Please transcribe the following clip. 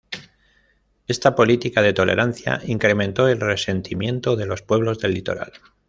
Esta política de tolerancia incrementó el resentimiento de los pueblos del Litoral.